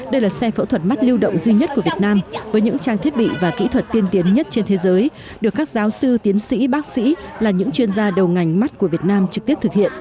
đây là xe phẫu thuật mắt lưu động duy nhất của việt nam với những trang thiết bị và kỹ thuật tiên tiến nhất trên thế giới được các giáo sư tiến sĩ bác sĩ là những chuyên gia đầu ngành mắt của việt nam trực tiếp thực hiện